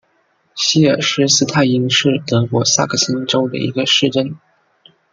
希尔施斯泰因是德国萨克森州的一个市镇。